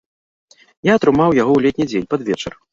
Я атрымаў яго ў летні дзень, пад вечар.